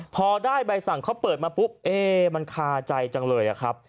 พอได้ใบสั่งเขาเปิดมาปุ๊บเอ๊มันคาใจจังเลยอะครับ